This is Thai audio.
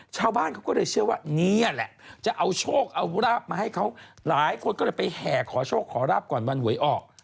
ชาวบ้านเขาก็เลยเชื่อว่านี่แหละจะเอาโชคเอาราบมาให้เขาหลายคนก็เลยไปแห่ขอโชคขอราบก่อนวันหวยออก